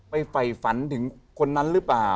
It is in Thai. ไฟฝันถึงคนนั้นหรือเปล่า